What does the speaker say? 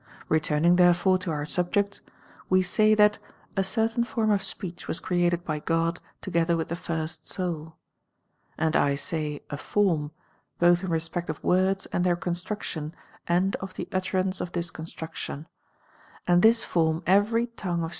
Returning therefore to our subject, we say that I'^o'] a certain form of sjyjech was created by God together with the first soul. And I say * a form,' both in respect of words and their construction and of the utterance of this construction ; and this form every tongue of s|.